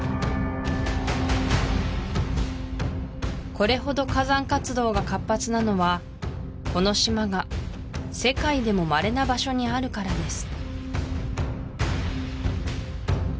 これほど火山活動が活発なのはこの島が世界でもまれな場所にあるからです